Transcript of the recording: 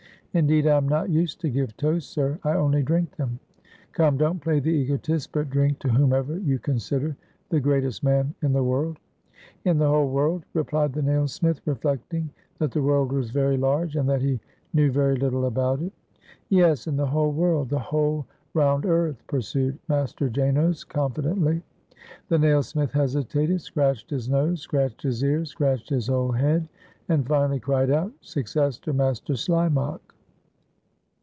"Indeed, I am not used to give toasts, sir; I only drink them." "Come, don't play the egotist, but drink to whom ever you consider the greatest man in the world! " "In the whole world?" replied the nailsmith, reflect ing that the world was very large, and that he knew very little about it. 361 AUSTRIA HUNGARY "Yes, in the whole world! — the whole round earth !" pursued Master Janos confidently. The nailsmith hesitated, scratched his nose, scratched his ear, scratched his whole head, and, finally, cried out, "Success to Master Slimak!"